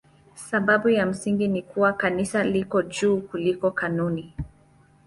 Sababu ya msingi ni kuwa Kanisa liko juu kuliko kanuni.